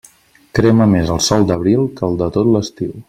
Crema més el sol d'abril que el de tot l'estiu.